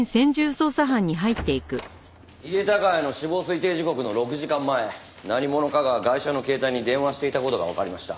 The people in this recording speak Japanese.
井手孝也の死亡推定時刻の６時間前何者かがガイシャの携帯に電話していた事がわかりました。